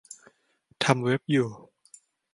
ทำเว็บ อยู่